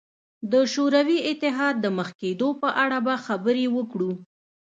د شوروي اتحاد د مخ کېدو په اړه به خبرې وکړو.